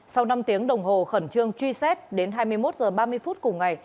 sau năm tiếng đồng hồ khẩn trương truy xét đến hai mươi một h ba mươi phút cùng ngày